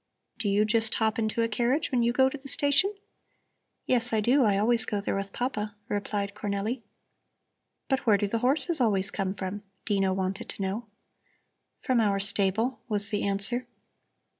Do you just hop into a carriage when you go to the station?" "Yes, I do; I always go there with Papa," replied Cornelli. "But where do the horses always come from?" Dino wanted to know. "From our stable," was the answer.